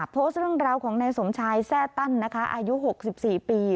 โพสต์เรื่องราวของนายสมชายแทร่ตั้นนะคะอายุ๖๔ปี